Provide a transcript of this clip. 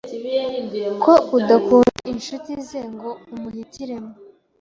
ko udakunda inshuti ze ngo umuhitiremo